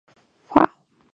Wow.